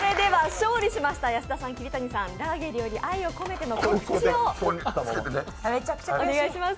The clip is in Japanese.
勝利しました安田さん、桐谷さん、ここで「ラーゲリより愛を込めて」の告知をお願いします。